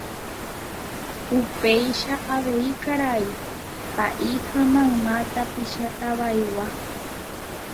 upéicha avei karai pa'i ha mayma tapicha Tava'igua